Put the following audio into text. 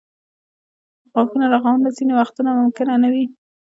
د غاښونو رغونه ځینې وختونه ممکنه نه وي.